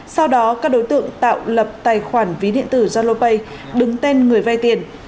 sau đó các đối tượng tạo lập tài khoản ví điện tử jalopay đứng tên người vay tiền